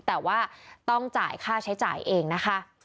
แต่ว่าต้องจ่ายค่าใช้จ่ายเองนะคะ